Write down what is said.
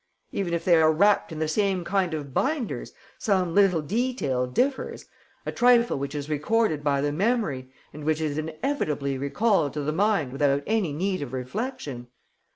Even if they are wrapped in the same kind of binders, some little detail differs, a trifle which is recorded by the memory and which is inevitably recalled to the mind without any need of reflection.